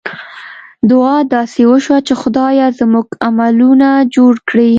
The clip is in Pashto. دعا داسې وشوه چې خدایه! زموږ عملونه جوړ کړې.